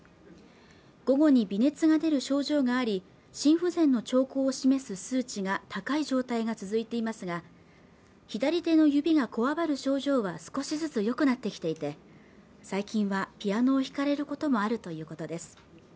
午後に微熱が出る症状があり心不全の兆候を示す数値が高い状態が続いていますが左手の指がこわばる症状は少しずつよくなってきていて最近はピアノを弾かれることもあるということです